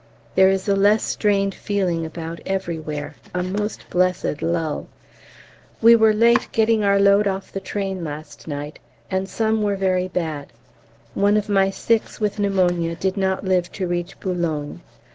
There is a less strained feeling about everywhere a most blessed lull. We were late getting our load off the train last night, and some were very bad. One of my Sikhs with pneumonia did not live to reach Boulogne.